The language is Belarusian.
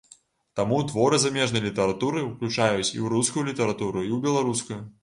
Таму творы замежнай літаратуры уключаюць і ў рускую літаратуру, і ў беларускую.